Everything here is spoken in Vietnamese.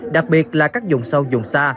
đặc biệt là các dùng sâu dùng xa